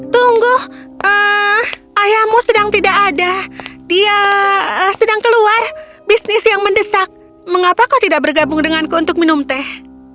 tunggu ayahmu sedang tidak ada dia sedang keluar bisnis yang mendesak mengapa kau tidak bergabung denganku untuk minum teh